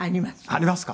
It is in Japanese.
ありますか？